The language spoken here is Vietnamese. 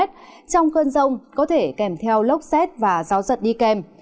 trong cơn rông có thể kèm theo lốc xét và gió giật đi kèm